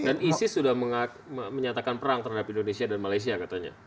dan isis sudah menyatakan perang terhadap indonesia dan malaysia katanya